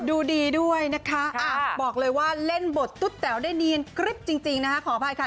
ดูดีด้วยนะคะบอกเลยว่าเล่นบทตุ๊ดแต๋วได้เนียนกริ๊บจริงนะคะขออภัยค่ะ